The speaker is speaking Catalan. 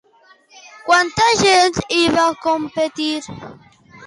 Quanta gent hi va competir?